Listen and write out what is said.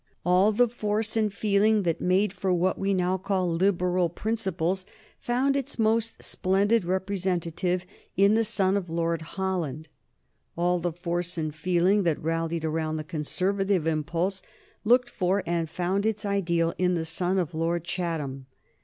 All the force and feeling that made for what we now call liberal principles found its most splendid representative in the son of Lord Holland: all the force and feeling that rallied around the conservative impulse looked for and found its ideal in the son of Lord Chatham.